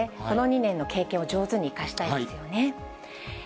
この２年の経験を上手に生かしたいですよね。